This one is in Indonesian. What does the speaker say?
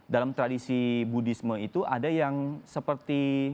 dalam tradisi budisme itu ada yang seperti